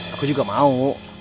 aku juga mau